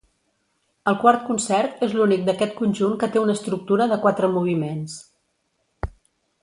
El quart concert és l'únic d'aquest conjunt que té una estructura de quatre moviments.